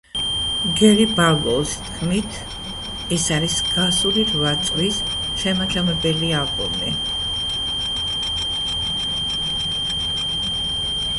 გერი ბარლოუს თქმით, ეს არის „გასული რვა წლის შემაჯამებელი ალბომი“.